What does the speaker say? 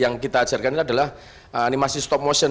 yang kita ajarkan ini adalah animasi stop motion